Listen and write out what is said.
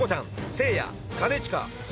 せいや兼近昴